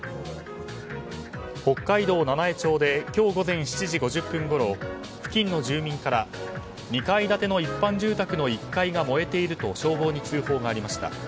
北海道七飯町で今日午前７時５０分ごろ付近の住民から２階建ての一般住宅の１階が燃えていると消防に通報がありました。